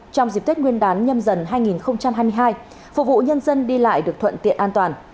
trong dịp tết nguyên đán nhâm dần hai nghìn hai mươi hai phục vụ nhân dân đi lại được thuận tiện an toàn